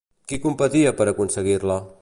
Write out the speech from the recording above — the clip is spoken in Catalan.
Qui competia per aconseguir-la?